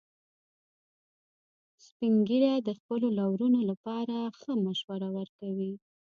سپین ږیری د خپلو لورونو لپاره ښه مشوره ورکوي